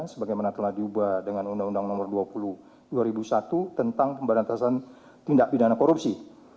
sebagaimana telah diubah dengan undang undang nomor dua puluh dua ribu satu tentang pemberantasan tindak pidana korupsi